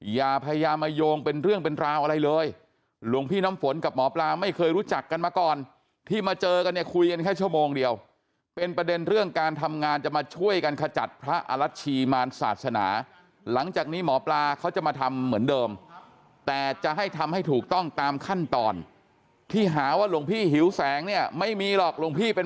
อย่าพยายามมาโยงเป็นเรื่องเป็นราวอะไรเลยหลวงพี่น้ำฝนกับหมอปลาไม่เคยรู้จักกันมาก่อนที่มาเจอกันเนี่ยคุยกันแค่ชั่วโมงเดียวเป็นประเด็นเรื่องการทำงานจะมาช่วยกันขจัดพระอรัชชีมารศาสนาหลังจากนี้หมอปลาเขาจะมาทำเหมือนเดิมแต่จะให้ทำให้ถูกต้องตามขั้นตอนที่หาว่าหลวงพี่หิวแสงเนี่ยไม่มีหรอกหลวงพี่เป็น